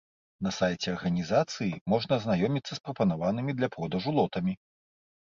На сайце арганізацыі можна азнаёміцца з прапанаванымі для продажу лотамі.